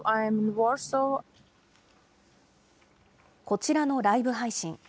こちらのライブ配信。